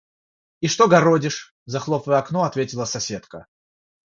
– И что городишь? – захлопывая окно, ответила соседка.